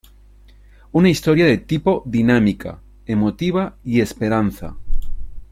Una historia de tipo dinámica, emotiva y esperanza